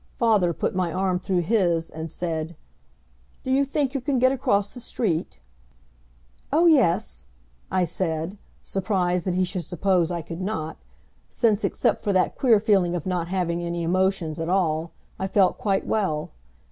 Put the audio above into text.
Father put my arm through his and said, "Do you think you can get across the street?" "Oh, yes," I said, surprised that he should suppose I could not, since, except for that queer feeling of not having any emotions at all, I felt quite well.